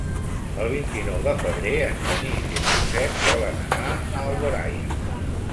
El vint-i-nou de febrer en Genís i en Josep volen anar a Alboraia.